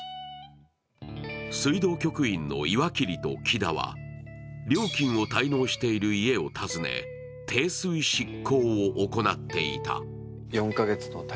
水道局員の岩切と木田は料金を滞納している家を訪ね、停水執行を行っていた。